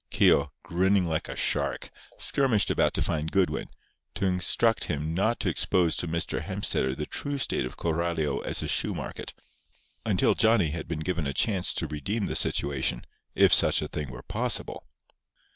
Keogh, grinning like a shark, skirmished about to find Goodwin, to instruct him not to expose to Mr. Hemstetter the true state of Coralio as a shoe market until Johnny had been given a chance to redeem the situation, if such a thing were possible.